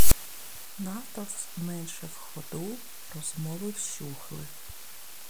Натовп зменшив ходу, розмови вщухли.